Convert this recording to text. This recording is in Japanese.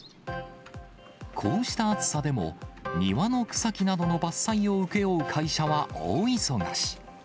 こうした暑さでも、庭の草木などの伐採を請け負う会社は大忙し。